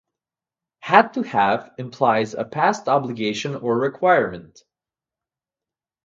"had to have" implies a past obligation or requirement.